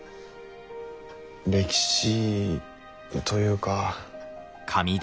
歴史というか。